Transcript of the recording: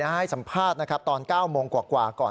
ให้สัมภาษณ์ตอน๙โมงกว่ากว่าก่อน